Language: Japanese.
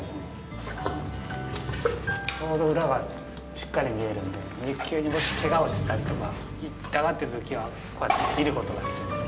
ちょうど裏がしっかり見えるので肉球にもしケガをしていたりとか痛がっているときはこうやって見ることができます。